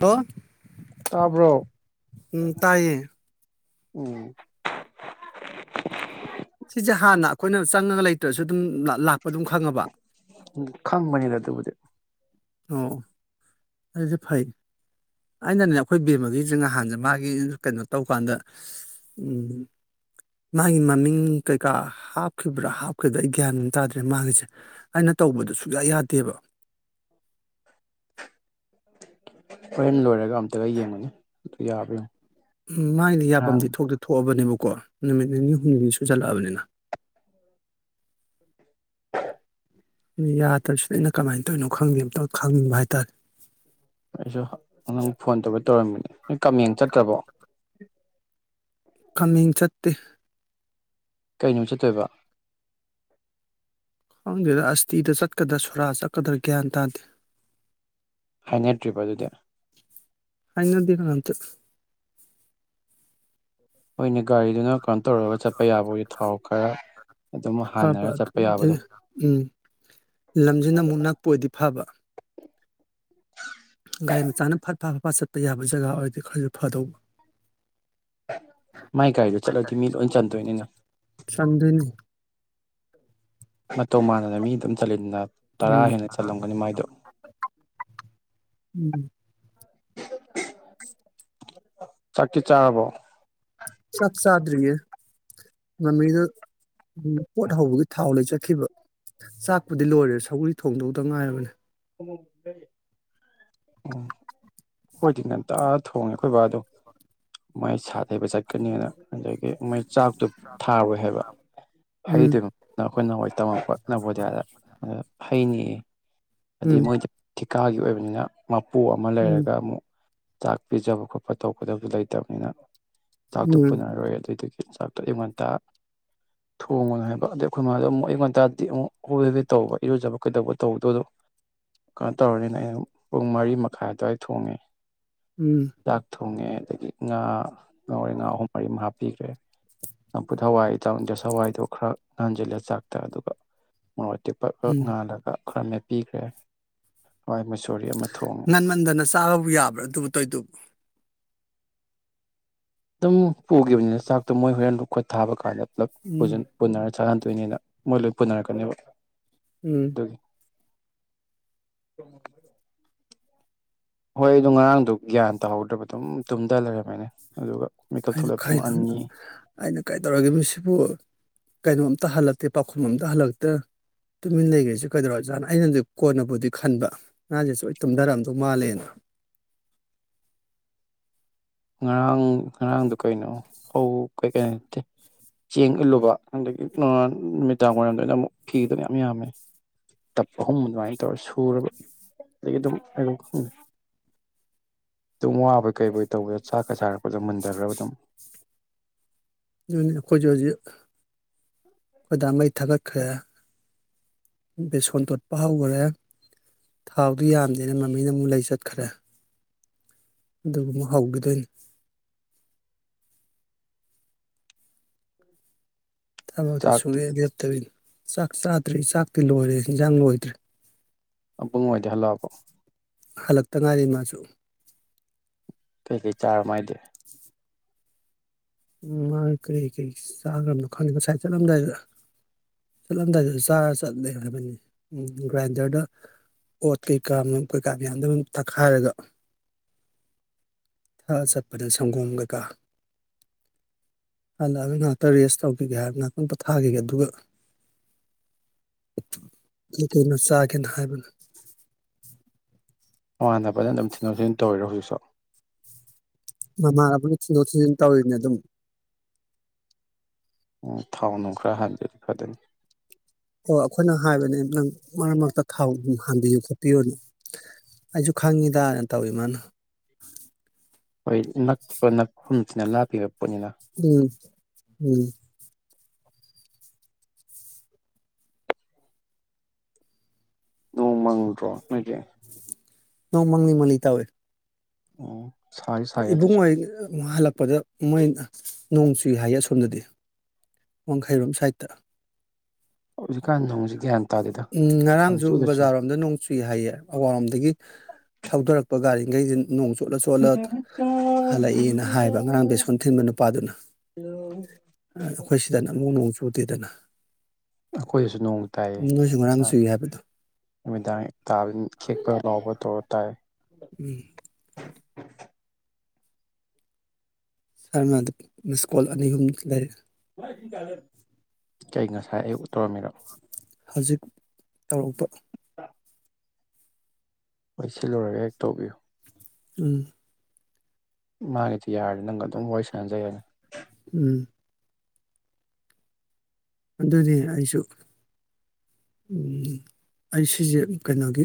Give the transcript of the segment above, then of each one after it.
ꯍꯣ ꯇꯥꯕ꯭ꯔꯣ ꯅ ꯇꯥꯏꯌꯦ ꯎꯝ ꯁꯤꯁꯦ ꯍꯥꯟꯅ ꯑꯩꯈꯣꯏꯅ ꯆꯪꯉꯒ ꯂꯩꯇ꯭ꯔꯁꯨ ꯑꯗꯨꯝ ꯂꯥꯛꯄ ꯑꯗꯨꯝ ꯈꯪꯉꯕ ꯎ ꯈꯪꯕꯅꯤꯗ ꯑꯗꯨꯕꯨꯗꯤꯦ ꯑꯣ ꯑꯗꯨꯦ ꯐꯥꯏ ꯑꯩꯅꯅꯦ ꯑꯩꯈꯣꯏ ꯕꯦꯝꯃꯒꯤꯁꯦ ꯅꯍꯥꯟꯁꯦ ꯃꯥꯒꯤ ꯀꯩꯅꯣ ꯇꯧꯀꯥꯟꯗ ꯎ ꯃꯥꯒꯤ ꯃꯃꯤꯡ ꯀꯩꯀꯥ ꯍꯥꯞꯈꯤꯕ꯭ꯔꯥ ꯍꯥꯞꯈꯤꯕ꯭ꯔꯥ ꯑꯩ ꯒ꯭ꯌꯥꯟ ꯇꯥꯗ꯭ꯔꯦ ꯃꯥꯒꯤꯁꯦ ꯑꯩꯅ ꯇꯧꯕꯗ ꯁꯨꯡꯌꯥ ꯌꯥꯗꯦꯕ ꯍꯣꯏꯦꯟ ꯂꯣꯏꯔꯒꯦ ꯀ ꯑꯝꯇꯒ ꯌꯦꯡꯉꯅꯤ ꯑꯗꯨ ꯌꯥꯕꯦꯣ ꯎꯝ ꯃꯥꯏꯗꯤ ꯌꯥꯐꯝꯗꯤ ꯊꯣꯛꯇꯦ ꯊꯣꯛꯑꯕꯅꯦꯕ ꯀꯣ ꯅꯨꯃꯤꯠ ꯅꯤ ꯍꯨꯝꯁꯨ ꯆꯂꯕꯅꯤꯅ [unintelligible] ꯌꯥꯗ꯭ꯔꯕꯁꯤꯗ ꯑꯩꯅ ꯀꯃꯥꯏꯅ ꯇꯧꯔꯤꯅꯣ ꯈꯪꯗꯦ ꯑꯇ ꯈꯪꯅꯤꯡꯕ ꯍꯥꯏꯇꯥꯔꯦ ꯑꯩꯁꯨ ꯅꯪ ꯐꯣꯟ ꯇꯧꯕ ꯇꯧꯔꯝꯃꯤꯅꯦ ꯅꯣꯏ ꯀꯃꯦꯡ ꯆꯠꯇ꯭ꯔꯕꯣ ꯈꯃꯤꯡ ꯆꯠꯇꯦ ꯀꯩꯅꯣꯝ ꯆꯠꯇꯣꯏꯕ ꯈꯪꯗꯦꯗ ꯑꯁꯇꯤꯗ ꯆꯠꯀꯗ꯭ꯔꯥ ꯁꯣꯔꯥ ꯆꯠꯀꯗ꯭ꯔꯥ ꯒ꯭ꯌꯥꯟ ꯇꯥꯗꯦ ꯍꯥꯏꯅꯦ ꯇ꯭ꯔꯤꯞ ꯑꯗꯨꯗꯤ ꯠꯇ ꯍꯅꯦ ꯒꯥꯔꯤꯗꯨꯅ ꯀꯩꯅꯣ ꯇꯧꯔꯒ ꯆꯠꯄ ꯌꯥꯕꯒꯤ ꯊꯥꯎ ꯈꯔ ꯑꯗꯨꯝ ꯐꯕ ꯍꯥꯟꯅꯔ ꯆꯠꯄ ꯑꯗꯨꯗꯤ ꯌꯥꯕꯗꯣ ꯎꯝ ꯂꯝꯁꯤꯅ ꯑꯃꯨꯛ ꯅꯛꯄ ꯑꯣꯏꯗꯤ ꯐꯥꯕ ꯃꯥ ꯆꯠꯄ ꯌꯥꯕ ꯖꯒꯥ ꯑꯣꯏꯔꯗꯤ ꯈꯔꯁꯨ ꯐꯗꯧꯕ ꯃꯥꯏ ꯒꯥꯔꯤꯗꯨ ꯆꯠꯂꯗꯤ ꯃꯤ ꯂꯣꯏ ꯆꯟꯗꯣꯏꯅꯤꯅꯦ ꯆꯪꯗꯣꯏꯅꯤ ꯃꯇꯧ ꯃꯥꯟꯅꯅ ꯃꯤ ꯑꯗꯨꯝ ꯆꯂꯤꯟꯅ ꯇꯔꯥ ꯎꯝ ꯍꯦꯟꯅ ꯆꯜꯂꯝꯒꯅꯤ ꯃꯥꯏꯗꯣ ꯎꯝ ꯆꯥꯛꯀꯤ ꯆꯥꯕ ꯆꯠ ꯁꯥꯠꯔꯤꯦ ꯃꯃꯤꯗ ꯄꯣꯠ ꯍꯧꯕꯒꯤ ꯊꯥꯎ ꯂꯩ ꯆꯠ ꯆꯛꯈꯤꯕ ꯆꯥꯛꯄꯗꯤ ꯂꯣꯏꯔꯦ ꯁꯧꯒꯔꯤ ꯊꯣꯡꯗꯧꯗ ꯉꯥꯏꯔꯕꯅꯦ ꯎꯝ ꯑꯩꯣꯏꯗꯤ ꯉꯟꯇ ꯊꯣꯡꯉꯦ ꯑꯩꯈꯣꯏ ꯕꯥꯗꯣ ꯃꯥꯏ ꯁꯥꯊꯩꯕ ꯆꯠꯀꯅꯤꯅ ꯉꯗꯒꯤ ꯃ ꯆꯥꯛꯇꯨ ꯊꯥꯔꯏ ꯍꯥꯏꯕ ꯎꯝ ꯍꯩꯗꯨ ꯅꯈꯣꯏ ꯅꯋꯥꯏ ꯇꯝꯃꯛꯄ ꯅꯕꯣꯗꯤꯌꯥꯗ ꯍꯩꯅꯤ ꯎꯝ ꯑꯗꯨꯩ ꯃꯣꯏꯗꯤ ꯊꯤꯀꯥꯒꯤ ꯑꯣꯏꯕꯅꯤꯅ ꯃꯄꯨ ꯑꯃ ꯎꯝ ꯂꯩꯔꯒ ꯑꯃꯨꯛ ꯆꯥꯛ ꯄꯤꯖꯕ ꯈꯣꯠꯄ ꯇꯧꯒꯗꯕꯁꯨ ꯂꯩꯇꯕꯅꯤꯅ ꯎꯝ ꯇꯥꯛꯇꯣꯛꯄꯅꯔꯣꯏ ꯑꯗꯨꯏꯗꯒꯤ ꯆꯤꯟꯖꯥꯛꯇꯣ ꯑꯌꯨꯛ ꯉꯟꯇꯥ ꯊꯣꯡꯒꯅꯤ ꯍꯥꯏꯕ ꯑꯗꯩ ꯑꯩꯈꯣꯏ ꯏ ꯃꯥꯗꯣꯨꯛ ꯑꯌꯨ ꯉꯟꯇꯥꯗꯗꯤ ꯑꯃꯨꯛ ꯀꯔꯗꯤ ꯇꯧꯕ ꯌꯣꯖꯕ ꯀꯩꯗꯧꯕ ꯇꯧꯗꯣꯏꯗꯣ ꯀꯩꯅꯣ ꯇꯧꯔꯅꯤꯅ ꯑꯩꯅ ꯄꯨꯡ ꯃꯔꯤ ꯃꯈꯥꯏ ꯑꯗꯨꯋꯥꯏ ꯊꯣꯡꯉꯦ ꯎꯝ ꯗꯥꯛ ꯊꯉꯦ ꯑꯗꯒꯤ ꯉꯥ ꯉꯥꯔꯦ ꯉꯥ ꯑꯍꯨꯝ ꯃꯔꯤꯃ ꯍꯥꯞꯄꯤꯈ꯭ꯔꯦ ꯉꯝꯐꯨꯠ ꯍꯋꯥꯏ ꯇꯟꯗꯦ ꯍꯋꯥꯏꯗꯣ ꯈꯔ ꯉꯟꯖꯤꯜꯂꯦ ꯆꯥꯛꯇ ꯑꯗꯨꯒ ꯃꯇꯤ ꯎꯝ ꯄꯅꯥꯥꯜꯒ ꯔꯃꯦ ꯄꯤꯈ꯭ꯔꯦ ꯍꯣꯏ ꯃ ꯉꯟꯃꯟꯗꯅ ꯆꯥꯕꯕꯨ ꯌꯥꯕ꯭ꯔꯥ ꯑꯗꯨꯕꯨ ꯇꯧꯗꯨꯕꯨ ꯑꯗꯨꯝ ꯄꯨꯈꯤꯕꯅꯤꯅ ꯆꯥꯛꯇꯣ ꯃꯣꯏ ꯍꯣꯔꯦꯟ ꯈꯣꯠ ꯊꯥꯕ ꯀꯥꯟꯗ ꯄꯨ ꯎꯝ ꯄꯨꯟꯅ ꯆꯥꯍꯟꯗꯣꯏꯅꯦꯅ ꯃꯣꯏ ꯂꯣꯏ ꯄꯨꯅꯔꯛꯀꯅꯦꯕ ꯎꯝ ꯀꯃ ꯍꯣꯏ ꯑꯗꯨ ꯉꯔꯥꯡꯗ ꯒ꯭ꯌꯥꯟ ꯇꯥꯍꯧꯗ꯭ꯔꯕ ꯑꯗꯨꯝ ꯇꯨꯝꯊ ꯂꯩꯔꯝꯃꯦꯅꯦ ꯑꯗꯨꯒ ꯃꯤꯀꯞ ꯑꯩꯅ ꯊꯣꯛꯂꯛꯑꯦ ꯈ ꯄꯨꯡ ꯑꯅꯤ ꯑꯩꯅ ꯀꯩ ꯇꯧꯔꯒꯦ ꯃꯁꯤꯕꯨ ꯀꯩꯅꯣꯝꯇ ꯍꯜꯂ ꯑꯇꯩ ꯄꯥꯎꯈꯨꯝ ꯑꯝꯗ ꯍꯜꯂꯛꯇ ꯇꯨꯃꯤꯟ ꯂꯩꯈ꯭ꯔꯁꯦ ꯀꯩꯗꯧꯔꯣ ꯑꯣꯖꯥꯥꯟꯅ ꯑꯩꯅꯗꯤ ꯀꯣꯟꯅꯕꯨꯗꯤ ꯈꯟꯕ ꯅꯍꯥꯟꯁꯦ ꯁ ꯑꯩ ꯇꯨꯝꯊꯔꯛꯑꯝꯗꯧ ꯃꯥꯜꯂꯦꯅ ꯉꯔꯥꯡ ꯉꯔꯥꯡꯗꯨꯣ ꯀꯩꯅꯣ ꯐꯧ ꯀꯩ ꯀꯩꯅꯣ ꯅ ꯆꯦꯡ ꯏꯜꯂꯨꯕ ꯑꯗꯒꯤ ꯅꯨꯃꯤꯗꯥꯡ ꯋꯥꯏꯔꯝꯗꯅ ꯑꯃꯨꯛ ꯐꯤꯗꯅ ꯌꯥꯝ ꯌꯥꯝꯃꯦ ꯇꯞ ꯑꯍꯨꯝ ꯑꯗꯨꯃꯥꯏꯅ ꯇꯧꯔ ꯁꯨꯔꯕ ꯑꯗꯒꯤ ꯑꯗꯨꯝ ꯈꯪꯗ ꯑꯗꯨꯝ ꯋꯥꯕꯣꯏ ꯀꯩꯣꯏ ꯇꯧꯕꯗ ꯆꯥꯛꯀ ꯁꯥꯔꯛꯄꯗꯣ ꯃꯨꯟꯊꯈ꯭ꯔꯕ ꯑꯗꯨꯝ ꯑꯗꯨ ꯑꯩꯈꯣꯏꯁꯨ ꯍꯧꯖꯤꯛ ꯈꯣꯏꯗꯥ ꯃꯩ ꯊꯥꯒꯠꯈ꯭ꯔꯦ ꯑꯩ ꯁꯣꯟ ꯇꯣꯠꯄ ꯍꯧꯈꯔꯦ ꯊꯥꯎꯗꯤ ꯌꯥꯝꯗꯦꯅ ꯃꯃꯤꯅ ꯑꯃꯨꯛ ꯂꯩ ꯆꯠꯈ꯭ꯔꯦ ꯑꯗꯨꯒ ꯑꯃꯨꯛ ꯍꯧꯈꯤꯗꯣꯏꯅꯤ ꯊꯃꯛꯇ ꯆꯥꯛꯇꯤ ꯁꯨꯔꯏꯗꯔ ꯇꯕ ꯆꯥꯛ ꯆꯥꯗ꯭ꯔꯦ ꯆꯥꯛꯇꯤ ꯂꯣꯏꯔꯦ ꯏꯟꯁꯥꯡ ꯂꯣꯏꯗ꯭ꯔꯦ ꯑꯕꯨꯡ ꯅꯨꯡꯉꯥꯏꯖꯦ ꯍꯜꯂꯣꯑꯣꯕꯣ ꯍꯂꯛꯇ ꯉꯥꯏꯔꯤ ꯃꯥꯁꯨ ꯀꯩꯀꯩ ꯆꯥꯔꯝꯃꯥꯏꯗꯦ ꯎ ꯃꯥ ꯀꯔꯤ ꯀꯔꯤ ꯆꯥꯈ꯭ꯔꯕꯅꯣ ꯈꯪꯗꯦ ꯉꯁꯥꯏ ꯆꯠꯂꯝꯗꯥꯏꯗꯨꯗ ꯆꯠꯂꯝꯗꯥꯏꯗꯨꯗ ꯆꯥꯔ ꯆꯠꯂꯦ ꯍꯥꯏꯕꯅꯤ ꯎꯝ ꯒ꯭ꯔꯥꯏꯟꯗꯔꯗ ꯑꯣꯠ ꯀꯩꯀꯥ ꯀꯩꯀꯥ ꯃꯌꯥꯝꯗ ꯑꯗꯨꯝ ꯊꯛꯈꯥꯏꯔꯒ ꯊꯛꯑ ꯆꯠꯄꯗ ꯁꯪꯒꯣꯝ ꯀꯩꯀꯥ ꯍꯜꯂꯛꯑꯒ ꯉꯍꯥꯛꯇ ꯔꯦꯁ ꯇꯧꯈꯤꯒꯦ ꯍꯥꯏꯕ ꯉꯍꯥꯛꯇ ꯄꯣꯊꯥꯈꯤꯒꯦ ꯑꯗꯨꯒ ꯀꯩꯅꯣ ꯆꯥꯒꯦꯅ ꯍꯥꯏꯕꯅꯤ ꯃꯉꯥꯟꯅ ꯐꯅ ꯑꯗꯨꯝ ꯊꯤꯟꯗꯣꯛ ꯊꯖꯤꯟ ꯇꯧꯔꯤꯔꯣ ꯍꯧꯖꯤꯛꯁꯨ ꯃꯥꯅꯕꯅ ꯊꯤꯟꯗꯣꯛ ꯊꯤꯟꯖꯤꯟ ꯇꯧꯔꯤꯅꯦ ꯑꯗꯨꯝ ꯎ ꯊꯥꯎꯟꯅꯨꯡꯈ꯭ꯔ ꯍꯥꯏꯥꯟꯕꯤꯔ ꯐꯗ ꯑꯣ ꯑꯩꯈꯣꯏꯅ ꯍꯥꯏꯕꯅꯦ ꯅꯪ ꯃꯔꯛ ꯃꯔꯛꯇ ꯊꯥꯎ ꯑꯗꯨꯝ ꯍꯥꯡꯕꯤꯌꯨ ꯈꯣꯠꯄꯤꯌꯨꯅꯨ ꯑꯩꯁꯨ ꯈꯪꯉꯤꯗꯅ ꯇꯧꯋꯤ ꯃꯥꯅ ꯍꯣꯏ ꯅꯛꯄ ꯅꯛꯈꯁꯤꯅ ꯂꯥꯞꯄꯤꯕ ꯄꯣꯠꯅꯤꯅ ꯎꯝ ꯎꯝ ꯅꯣꯡ ꯃꯥꯡꯗ꯭ꯔꯣ ꯅꯠꯇꯦ ꯅ ꯃꯪꯅꯤ ꯃꯂꯤ ꯇꯋꯦ ꯎꯝ ꯁꯥꯁꯨ ꯁꯥꯏ ꯑꯗꯨꯁꯨ ꯏꯕꯨꯡꯉ ꯍꯜꯂꯛꯄꯗ ꯃꯣꯏ ꯅꯣꯡ ꯆꯨꯏ ꯍꯥꯏꯌꯦ ꯑꯁꯣꯝꯗꯗꯤ ꯋꯥꯡꯈꯩꯔꯣꯝ ꯁꯥꯏꯠꯇ ꯍꯧ ꯎꯝ ꯉꯔꯥꯡꯁꯨ ꯆꯨꯏ ꯕꯖꯥꯔꯣꯝꯗ ꯅꯣꯡ ꯆꯨꯏ ꯍꯥꯏꯌꯦ ꯑꯋꯥꯡꯔꯣꯝꯗꯒꯤ ꯊꯧꯗꯣꯔꯛꯄ ꯒꯥꯔꯤ ꯩ ꯅꯣꯡ ꯆꯣꯠꯂ ꯆꯣꯠꯂ ꯍꯜꯂꯛꯏꯦꯅ ꯍꯥꯏꯕ ꯑꯔꯥꯡ ꯕꯦꯁꯣꯟ ꯊꯤꯟꯕ ꯅꯨꯄꯥꯗꯨꯅ ꯑꯩꯈꯣꯏ ꯁꯤꯗ ꯅ ꯑꯃꯨꯛ ꯅ ꯁꯨꯗꯦꯗꯅ ꯑꯩꯈꯣꯏꯗꯁꯨ ꯅꯣꯡ ꯇꯥꯏ ꯆꯨꯏ ꯍꯥꯏꯕꯗꯣ ꯅꯨꯃꯤꯗꯥꯡ ꯇꯥꯕ ꯈꯦꯛꯄ ꯉꯥꯎꯕ ꯇꯧꯔ ꯇꯥꯏ ꯎꯝ ꯁꯥꯔꯃ ꯑꯗꯨ ꯁ꯭ꯀꯨꯜ ꯑꯅꯤ ꯑꯍꯨꯝ ꯂꯩꯔ ꯀ ꯉꯁꯥꯏ ꯇꯣꯃꯤꯔ ꯍꯧꯖꯤꯛ ꯇꯧꯔꯛꯄ ꯃꯣꯏ ꯁꯤꯜꯂꯨꯔꯒ ꯍꯦꯛ ꯇꯧꯕꯤꯌꯨ ꯎꯝ ꯃꯥꯅꯤꯗꯤ ꯌꯥꯔꯦ ꯅꯪꯒ ꯑꯗꯨꯝ ꯋꯥꯔꯤ ꯁꯥꯟꯅꯖꯩꯅꯤ ꯎꯝ ꯑꯗꯨꯅꯤ ꯑꯩꯁꯨ ꯑꯩ ꯁꯤꯁꯦ ꯀꯩꯅꯣꯒꯤ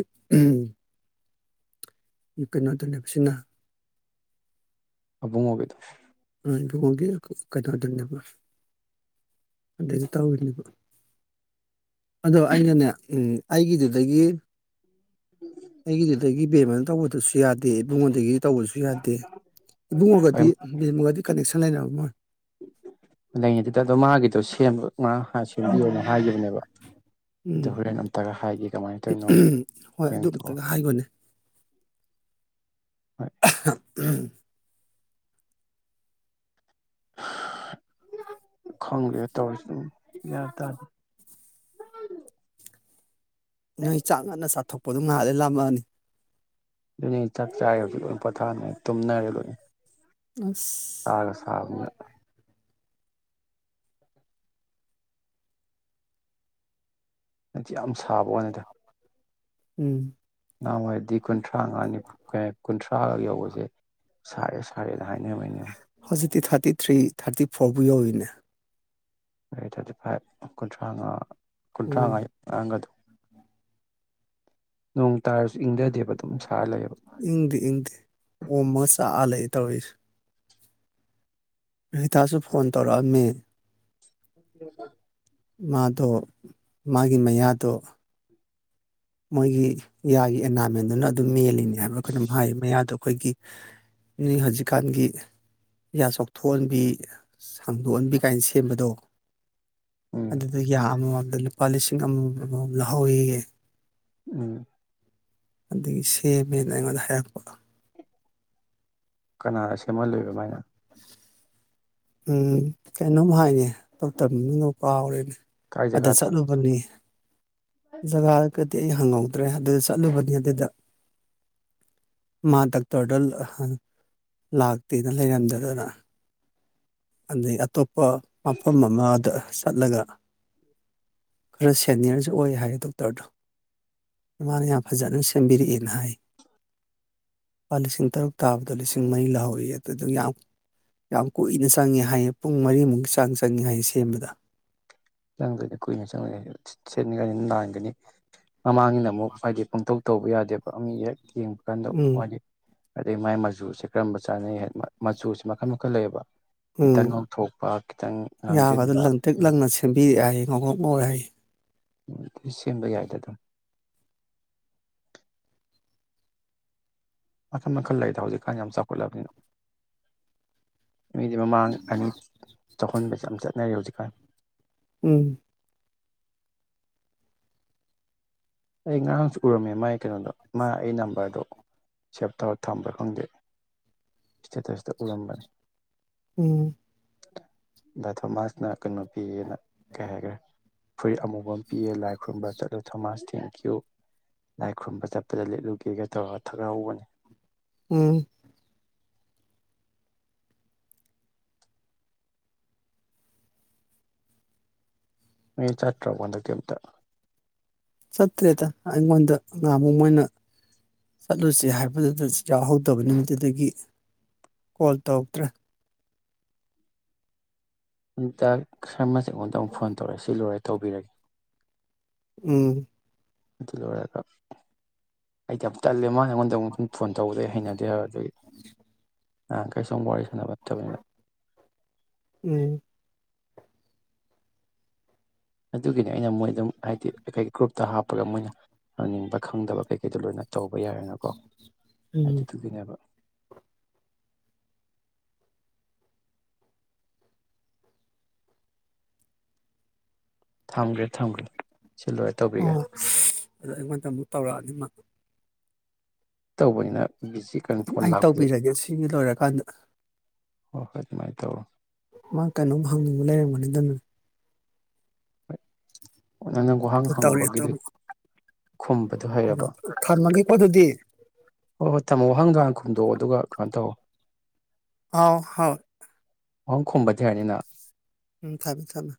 ꯀꯩꯅꯣꯗ ꯂꯩꯕꯁꯤꯅ ꯑꯕꯨꯡ ꯃꯣꯕꯤꯗ ꯏꯨꯡꯒꯤ ꯀꯩꯅꯣꯗꯨꯅꯦꯕ ꯑꯗꯨꯗꯩꯗ ꯇꯧꯔꯤꯅꯦꯕ ꯑꯗꯣ ꯑꯩꯅꯅꯦ ꯑꯩꯒꯤꯗꯨꯗꯒꯤ ꯍꯒꯤꯠꯇꯒꯤꯕꯃ ꯇꯧꯕꯗꯨꯁꯨ ꯌꯥꯗꯦ ꯏꯕꯉꯣꯟꯗꯒꯤ ꯇꯧꯕꯁꯨ ꯌꯥꯗꯦ ꯍꯣꯏ ꯏꯕꯨꯡꯉꯒꯗꯤ ꯃꯗꯤ ꯀꯅꯦꯦꯛꯁꯟ ꯁꯥꯏꯅꯕ ꯃꯣꯏ ꯉꯕꯤ ꯍꯥꯏꯈꯤꯕꯅꯦꯕ ꯑꯗꯨꯒ ꯑ ꯎꯝ ꯍꯣꯔꯦꯟ ꯑꯝꯇꯒ ꯍꯥꯏꯒꯦ ꯀꯃꯥꯏꯅ ꯇꯧꯔꯤꯅꯣ ꯍꯣꯏ ꯑꯗꯨ ꯌꯦꯡꯇꯣꯛꯑꯣ ꯑꯝꯇꯒ [unintelligible] ꯎꯝ ꯈꯪ꯭ꯔꯦ ꯇ ꯌꯥ ꯇ ꯅ ꯆꯥꯡꯉꯅ ꯁꯥꯊꯣꯛ ꯄꯗꯨ ꯉꯍꯜꯂꯦ ꯂꯥꯝꯃꯛꯑꯅꯤ ꯑꯗꯨꯅꯤ ꯆꯥꯛ ꯆꯥ ꯍꯧ ꯄꯣꯊꯥꯅꯦ ꯇꯨꯝꯅꯔꯦ ꯂꯣꯏꯅ ꯑ ꯇꯥꯒ ꯁꯥꯕꯅ ꯍꯥꯏꯗꯤ ꯌꯥꯝ ꯁꯥꯕꯗ ꯎꯝ ꯎ ꯍꯥꯏꯗꯤ ꯀꯨꯟꯊ꯭ꯔꯥꯅꯤ ꯀꯨꯟꯊ꯭ꯔꯥ ꯊꯔꯥꯔꯒ ꯌꯧꯕꯁꯦ ꯁꯔꯦ ꯁꯔꯦ ꯂ ꯍꯥꯏꯥꯏꯅꯤ ꯍꯅꯤ ꯊꯥꯔꯇꯤ ꯊꯥꯔꯇꯤ ꯊ꯭ꯔꯤ ꯊꯥꯔꯇꯤ ꯐꯣꯔꯕꯨ ꯌꯧꯏꯅꯦ ꯑꯩ ꯊꯥꯔꯇꯤ ꯐꯥꯏꯚ ꯀꯨꯟꯊ꯭ꯔꯥ ꯃꯉꯥ ꯎꯝ ꯈꯨꯠꯇ꯭ꯔꯥꯉꯥꯏ ꯑ ꯑꯗꯨ ꯅꯣꯡ ꯇꯥꯔꯁꯨ ꯏꯪꯊꯗꯦꯕ ꯑꯗꯨꯝ ꯁꯥꯔ ꯂꯩ ꯏꯪꯗꯤ ꯏꯪꯗꯤꯦ ꯑꯣꯝꯃꯒ ꯆꯥꯛꯑ ꯂꯩ ꯇꯧꯔꯤꯁꯦ ꯔꯇꯁꯨ ꯐꯣꯟ ꯇꯧꯔꯥ ꯃ ꯎ ꯃꯥꯗꯣ ꯃꯥꯒꯤ ꯃꯌꯥꯗꯣ ꯃꯣꯏꯒꯤ ꯌꯥꯒꯤ ꯑꯦꯅꯥꯃꯦꯟꯗꯨꯅ ꯑꯗꯨꯝ ꯃꯦꯜꯂꯤꯅꯦ ꯍꯥꯏꯕ ꯑꯩꯈꯣꯏꯅꯝ ꯍꯥꯏ ꯃꯌꯥꯗꯣ ꯑꯩꯈꯣꯏꯒꯤ ꯅ ꯍꯧꯖꯤꯛꯀꯥꯟꯒꯤ ꯌꯥ ꯆꯥꯎꯣꯛꯊꯣꯛꯍꯟꯕꯤ ꯁꯥꯡꯗꯣꯛꯍꯟꯕꯤ ꯀꯥꯏꯅ ꯁꯦꯝꯕꯗꯣ ꯎꯝ ꯑꯗꯨ ꯑꯗꯨꯒꯤ ꯑꯗꯨꯜ ꯂꯨꯄꯥ ꯂꯤꯁꯤꯡ ꯑꯃꯝ ꯂꯧꯍꯧꯋꯌꯦ ꯎꯝ ꯑꯗꯨꯗꯒꯤ ꯁꯦꯝꯃꯦꯅ ꯑꯩꯉꯣꯟꯗ ꯍꯥꯏꯔꯛꯄ ꯀꯅꯥꯔꯁ ꯀꯃ ꯂꯩꯕꯃꯥꯏꯅ ꯎꯝ ꯀꯩꯅꯣꯝ ꯍꯥꯏꯅꯤ ꯇ ꯇꯗ ꯀꯥꯎꯔꯤꯦꯅꯦ ꯀꯥꯏ ꯑꯗ ꯖꯒꯥꯗ ꯆꯠꯂꯨꯕꯅꯤ ꯖꯒꯥ ꯀ ꯗꯤ ꯑꯩ ꯍꯪꯍꯧꯗ꯭ꯔꯦ ꯑꯗꯨꯗ ꯆꯠꯂꯨꯕꯅꯤ ꯑꯗꯨꯗ ꯃꯥ ꯗꯥꯛꯇꯔꯗ ꯂꯥꯛꯇꯦꯅ ꯂꯩꯔꯝꯗꯗꯅ ꯑꯗꯨ ꯑꯇꯣꯞ ꯃꯐꯝ ꯑꯃꯗ ꯆꯠꯂꯒ ꯈꯔ ꯁꯦꯅꯤꯌꯔꯁꯨ ꯑꯣꯏ ꯍꯥꯏꯌꯦ ꯗꯣꯛꯇꯔꯗꯣ ꯏꯃꯥꯅ ꯌꯥꯝ ꯐꯖꯅ ꯁꯦꯝꯕꯤꯔꯛꯑꯦꯅ ꯍꯥꯏ ꯂꯨꯄꯥ ꯂꯤꯁꯤꯡ ꯇꯔꯨꯛ ꯇꯥꯕꯗꯣ ꯂꯤꯁꯤꯡ ꯃꯔꯤ ꯂꯧꯍꯧꯔꯤ ꯑꯗꯨꯗꯨ ꯌꯥꯝ ꯌꯥꯝ ꯀꯨꯏꯅ ꯆ ꯆꯪꯉꯦ ꯍꯥꯏꯌꯦ ꯄꯨꯡ ꯃꯔꯤꯃꯨꯛꯀꯤ ꯆꯥꯡ ꯆꯪꯉꯦ ꯍꯥꯏꯌꯦ ꯁꯦꯝꯕꯗ ꯆꯪꯗꯣꯏꯅꯤ ꯀꯨꯏꯅ ꯆꯪꯅꯤꯡꯉ ꯁꯦꯠꯅꯤꯡꯉꯥꯏꯅꯤꯅ ꯅꯥꯟꯒꯅꯤ ꯃꯃꯥꯡꯉꯅ ꯑꯃꯨꯛ ꯍꯥꯏꯗꯤ ꯄꯪꯊꯣꯛ ꯇꯧꯕ ꯌꯥꯗꯦꯕ ꯑ ꯍꯦꯛ ꯌꯦꯡꯕ ꯀꯥꯟꯗ ꯎꯝ ꯋꯥꯂꯤ ꯑꯗꯩ ꯃꯥꯏ ꯃꯆꯨꯁꯦ ꯀꯔꯝꯕ ꯆꯥꯅꯩ ꯍꯥꯏ ꯃꯆꯨꯁꯦ ꯃꯈꯜ ꯃꯈꯜ ꯂꯩꯌꯦꯕ ꯎꯝ ꯈꯤꯇꯪ ꯉꯥꯎꯊꯣꯛꯄ ꯈꯤꯇꯪ ꯉꯥꯡꯁꯤꯟꯕ ꯍꯦꯡꯉꯣꯛꯒꯣꯛ ꯍꯥꯏꯥꯏ ꯎ ꯁꯦꯝꯕ ꯌꯥꯏꯗꯦ ꯑꯗꯨꯝ ꯃꯈꯜ ꯃꯈꯜ ꯂꯩꯗ ꯍꯧꯖꯤꯛꯀꯥꯟ ꯌꯥꯝ ꯆꯥꯎꯈꯠꯂꯕꯅꯤꯅ ꯃꯥꯡ ꯑꯅꯤ ꯆꯈ ꯌꯥꯝ ꯆꯠꯅꯔꯤ ꯍꯧꯖꯤꯛꯀꯥꯟ ꯎꯝ ꯑꯩ ꯉꯔꯥꯡꯁꯨ ꯎꯔꯝꯃꯦ ꯃꯥꯒꯤ ꯀꯩꯅꯣꯗꯣ ꯃꯥ ꯑꯩ ꯅꯝꯕꯔꯗꯣ ꯁꯦꯞ ꯇꯧꯔ ꯊꯝꯕ꯭ꯔꯥ ꯈꯪꯗꯦ ꯏꯁꯇꯦꯇ ꯏꯁꯇ ꯑꯣꯂꯝꯕꯥꯅꯤ ꯎꯝ ꯗ ꯊꯣꯃꯥꯁꯅ ꯀ ꯅꯨꯄꯤꯒꯅ ꯀꯩ ꯍꯥꯏꯈ꯭ꯔꯦ ꯐꯨꯔꯤꯠ ꯑꯃꯨꯕ ꯑꯃ ꯄꯤꯌꯦ ꯂꯥꯏ ꯈꯨꯔꯨꯝꯕ ꯆꯠꯂꯨ ꯊꯃꯖꯇ ꯀ꯭ꯌꯨ ꯂꯥꯏ ꯈꯨꯔꯨꯝꯕ ꯆꯠꯄꯗ ꯂꯤꯠꯂꯨꯒꯦꯒ ꯇꯧꯔꯒ ꯊꯛꯒꯠꯍꯧꯕꯅꯤ ꯎꯝ ꯑ ꯆꯠꯇ꯭ꯔ ꯋꯥꯗ ꯊꯇ ꯆꯠꯇ꯭ꯔꯦꯗ ꯑꯩꯉꯣꯟꯗ ꯉꯥꯃꯨꯛ ꯃꯣꯏꯅ ꯆꯠꯂꯨꯁ ꯍꯥꯏꯕꯗꯨꯗ ꯌꯥꯎꯍꯧꯗꯕꯅꯤ ꯑꯗꯨꯗꯒꯤ ꯀꯣꯜ ꯇꯧꯔꯛꯇ꯭ꯔꯦ ꯏꯇ ꯁꯔꯃ ꯑꯩꯉꯣꯟꯗꯨ ꯐꯣꯟ ꯇꯧꯔꯦ ꯁꯤ ꯂꯣꯏꯔꯦ ꯇꯧꯕꯤꯔꯒꯦ ꯎꯝ ꯑꯩ ꯇꯜꯂꯦꯃꯉꯣꯟꯗꯧꯕ ꯐꯣꯟ ꯇꯧꯗꯦ ꯍꯩꯅꯗꯦ ꯑꯗꯨꯒꯤ ꯑ ꯀꯩ ꯁ ꯋꯥꯔꯤ ꯁꯥꯟꯅꯕ ꯅꯠꯇꯕꯅꯤꯅ ꯎꯝ ꯑꯗꯨꯒꯤꯅꯤ ꯑꯩꯅ ꯃꯣꯏ ꯑꯗꯨꯝ ꯍꯥꯏꯗꯤ ꯀꯩ ꯒ꯭ꯔꯨꯞ ꯇ ꯍꯥꯞꯄꯒ ꯃꯣꯏꯅ ꯍꯪꯅꯤꯡꯕ ꯈꯪꯗꯕ ꯀꯩꯀꯩꯗꯣ ꯂꯣꯏꯅ ꯇꯧꯕ ꯇꯧꯕ ꯌꯥꯔꯦꯅꯀꯣ ꯎꯝ ꯑꯗꯨꯗꯨꯒꯤꯅꯦꯕ ꯊꯝꯒ꯭ꯔꯦ ꯊꯝꯒ꯭ꯔꯦ ꯁꯤ ꯂꯣꯏꯔ ꯇꯧꯕꯤꯒꯦ ꯑꯣ ꯑꯗꯨ ꯑꯩꯉꯣꯟꯗ ꯑꯃꯨꯛ ꯇꯧꯔꯛꯑꯅꯤ ꯃꯥ ꯇꯧꯕꯅꯤꯅ ꯕꯤꯖꯤ ꯀꯩꯅꯣ ꯐꯣꯟ ꯑꯩ ꯂꯥꯛꯄꯗ ꯇꯧꯕꯤꯔꯒꯦ ꯁꯤꯒꯤ ꯂꯣꯏꯔꯀꯥꯟꯗ ꯍ ꯍꯣꯏ ꯑꯗꯨꯃꯥꯏꯅ ꯇꯧꯔꯣ ꯃꯥ ꯀꯩꯅꯣꯝ ꯍꯪꯅꯤꯡꯕ ꯂꯩꯔꯝꯒꯅꯤꯗꯅ ꯅꯪꯅ ꯒꯨꯍꯥꯡ ꯍꯪꯕꯒꯤꯗꯤ ꯊꯔ ꯃꯥꯒꯤ ꯀꯊꯗꯤ ꯍꯣ ꯊꯝꯃꯣ ꯋꯥꯍꯪꯒꯥꯟ ꯈꯨꯝꯗꯣꯛꯑꯣ ꯑꯗꯨꯒ ꯀꯩꯅꯣ ꯇꯧ ꯑꯥꯎ ꯍꯥꯎ ꯑꯣꯪ ꯈꯨꯝꯕ ꯊꯔꯅꯤꯅ ꯎꯝ ꯊꯝꯃꯦ ꯊꯝꯃꯦꯝ